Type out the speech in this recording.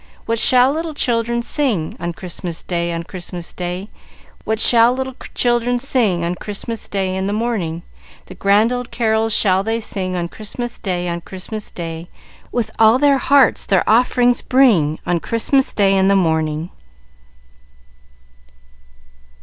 "What shall little children sing On Christmas Day, on Christmas Day? What shall little children sing On Christmas Day in the morning? The grand old carols shall they sing On Christmas Day, on Christmas Day; With all their hearts, their offerings bring On Christmas Day in the morning."